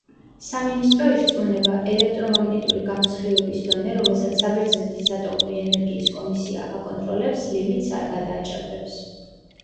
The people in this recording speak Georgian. სამინისტრო ირწმუნება, ელექტრომაგნიტური გამოსხივების დონე, რომელსაც საბერძნეთის ატომური ენერგიის კომისია აკონტროლებს, ლიმიტს არ გადააჭარბებს.